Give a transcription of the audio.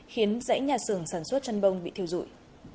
khiến dãy nhà xưởng sản xuất chăn bông bị thiêu dụi